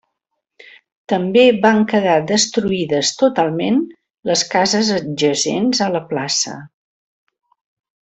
També van quedar destruïdes totalment les cases adjacents a la plaça.